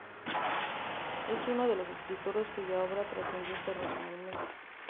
Es uno de los escritores cuya obra trascendió internacionalmente.